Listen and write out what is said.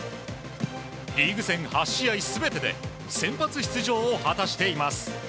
リーグ戦８試合全てで先発出場を果たしています。